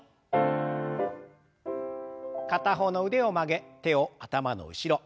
片方の腕を曲げ手を頭の後ろ。